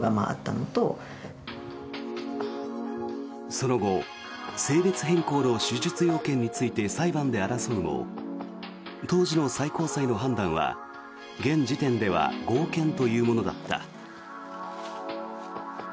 その後性別変更の手術要件について裁判で争うも当時の最高裁の判断は現時点では合憲というものだった。